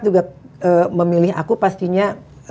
juga memilih aku pastinya